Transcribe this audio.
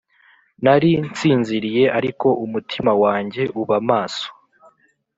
Nari nsinziriye Ariko umutima wanjye uba maso